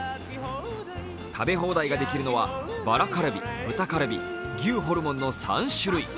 食べ放題ができるのはバラカルビ、豚カルビ牛ホルモンの３種類。